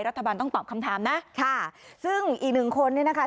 รัฐบาลต้องตอบคำถามนะค่ะซึ่งอีกหนึ่งคนเนี่ยนะคะ